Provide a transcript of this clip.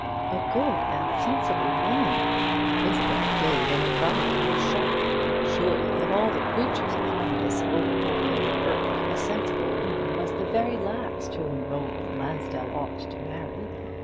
"A good and sensible woman!" Isabel gave an involuntary shudder. Surely, of all the creatures upon this over populated earth, a sensible woman was the very last whom Roland Lansdell ought to marry.